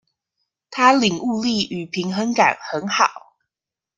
他領悟力與平衡感很好